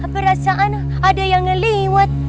perasaan ada yang ngeliwat